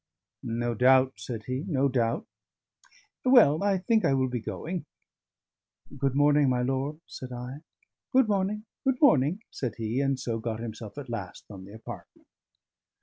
"No doubt," said he, "no doubt. Well, I think I will be going." "Good morning, my lord," said I. "Good morning, good morning," said he, and so got himself at last from the apartment.